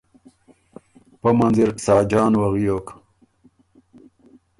پۀ منځ اِر ساجان وغیوک۔